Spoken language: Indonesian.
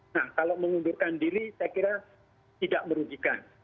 nah kalau mengundurkan diri saya kira tidak merugikan